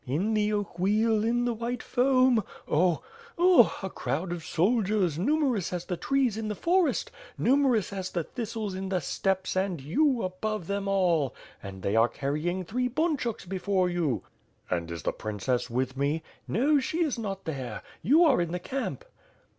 In the oak wheel, in the white foam. .. Oh! Oh! a crowd of soldiers, numerous as the trees in the forest, numerous as the thistles in the steppes and you, above them all; and they are carrying three bunchuks before you." "And is the princess with me?" "No, she is not there. You are in the camp."